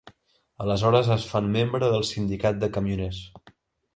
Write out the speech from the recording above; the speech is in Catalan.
Aleshores es fan membres del sindicat de camioners.